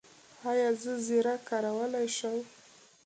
ایا زه زیره کارولی شم؟